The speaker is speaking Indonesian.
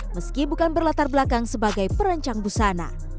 meski bukan berlatar belakang sebagai perancang busana